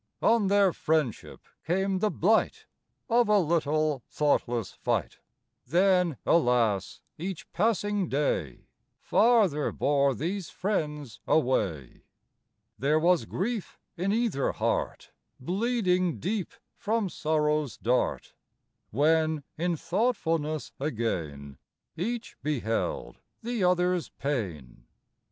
On their friendship came the blight Of a little thoughtless fight; Then, alas! each passing day Farther bore these friends away. There was grief in either heart, Bleeding deep from sorrow's dart, When in thoughtfulness again Each beheld the other's pain.